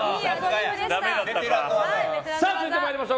続いて参りましょう。